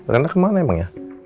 rena kemana emang ya